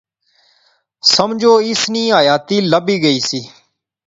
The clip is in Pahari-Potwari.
سمجھو اس نئی حیاتی لبی گئی سی